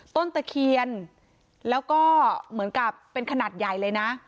ตะเคียนแล้วก็เหมือนกับเป็นขนาดใหญ่เลยนะ